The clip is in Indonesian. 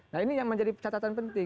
nah ini yang menjadi catatan penting